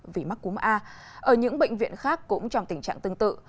vì mắc cúm a ở những bệnh viện khác cũng trong tình trạng tương tự